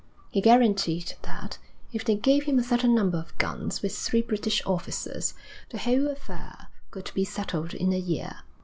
He guaranteed that, if they gave him a certain number of guns with three British officers, the whole affair could be settled in a year.